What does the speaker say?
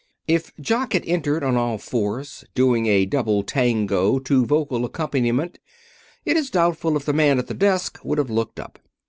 If Jock had entered on all fours, doing a double tango to vocal accompaniment, it is doubtful if the man at the desk would have looked up.